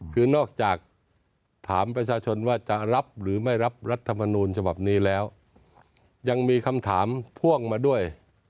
คือนอกจากถามประชาชนว่าจะรับหรือไม่รับรัฐมนูลฉบับนี้แล้วยังมีคำถามพ่วงมาด้วย